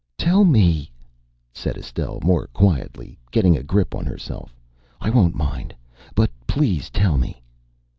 "Tell me," said Estelle more quietly, getting a grip on herself. "I won't mind. But please tell me."